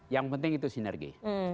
yang penting itu sinergi